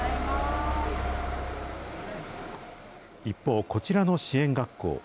一方、こちらの支援学校。